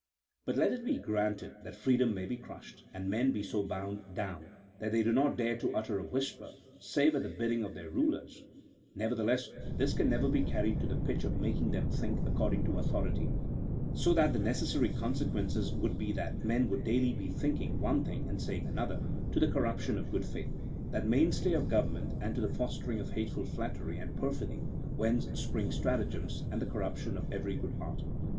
But let it be granted that freedom may be crushed, and men be so bound down, that they do not dare to utter a whisper, save at the bidding of their rulers ; nevertheless this can never be carried to the pitch of making them think according to authority, so that the necessary consequences would be that men would daily be thinking one thing and saying another, to the corruption of good faith, that main stay of government, and to the fostering of hateful flattery and perfidy, whence spring stratagems, and the corruption of every good art.